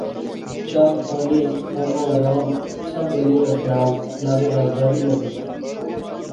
چاء پانی، کھانا آرام۔۔۔ سب گلیں ناں خیال۔ نالے رازداری ناں وی